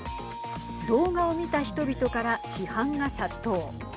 動画を見た人々から批判が殺到。